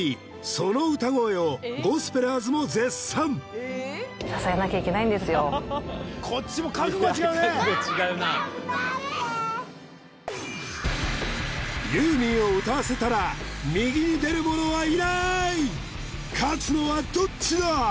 その歌声をゴスペラーズも絶賛ユーミンを歌わせたら右に出る者はいない勝つのはどっちだ！？